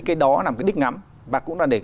cái đó làm cái đích ngắm và cũng là để